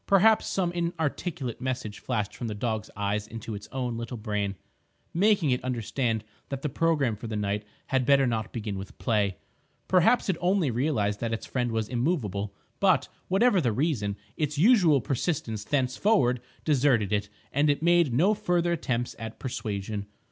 Perhaps some inarticulate message flashed from the dog's eyes into its own little brain, making it understand that the programme for the night had better not begin with play. Perhaps it only realised that its friend was immovable. But, whatever the reason, its usual persistence thenceforward deserted it, and it made no further attempts at persuasion.